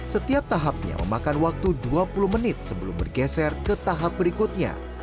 setiap tahapnya memakan waktu dua puluh menit sebelum bergeser ke tahap berikutnya